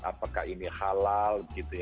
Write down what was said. apakah ini halal gitu ya